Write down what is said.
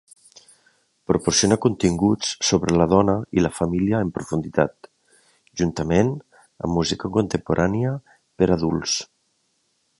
Proporciona continguts sobre la dona i la família en profunditat, juntament amb música contemporània per a adults.